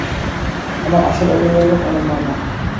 আমার আসল অভিভাবক আমার মামা।